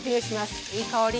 いい香り。